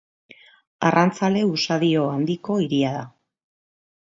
Arrantzale usadio handiko hiria da.